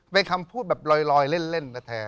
ไปคำพูดแบบลอยเล่นและแท้